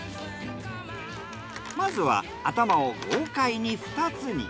まずは頭を豪快に２つに。